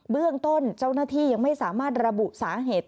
เรื่องต้นเจ้าหน้าที่ยังไม่สามารถระบุสาเหตุ